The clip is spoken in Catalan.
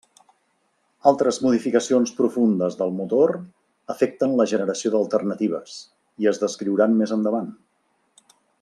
Altres modificacions profundes del motor afecten la generació d'alternatives i es descriuran més endavant.